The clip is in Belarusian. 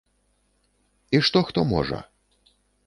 І што хто можа?